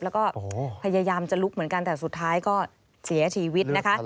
แล้วก็พยายามจะลุกเหมือนกันแต่สุดท้ายก็เสียชีวิตนะคะ